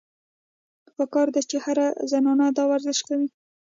پکار ده چې هره زنانه دا ورزش کوي -